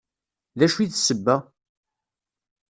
D acu i d sebba?